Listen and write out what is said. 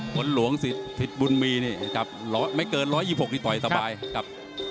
วนหลวงศิษย์ภิษย์บุญมีร์นี่ครับไม่เกิน๑๒๖ต่อยสบายครับ